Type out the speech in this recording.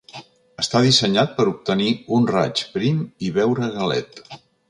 Està dissenyat per obtenir un raig prim i beure a galet.